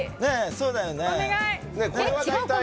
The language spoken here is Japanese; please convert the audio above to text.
そうだよね。